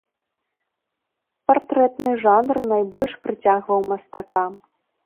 Партрэты жанр найбольш прыцягваў мастака.